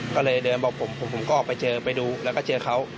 ก็เลยเดินบอกผมผมก็ออกไปเจอไปดูแล้วก็เจอเขา